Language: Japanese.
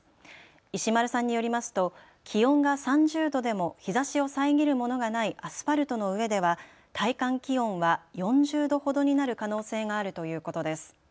石丸さんによりますと気温が３０度でも日ざしを遮るものがないアスファルトの上では体感気温は４０度ほどになる可能性があるということです。